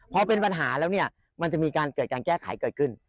พอเป็นปัญหาแล้วเนี่ยมันจะมีการเกิดการแก้ไขเกิดขึ้น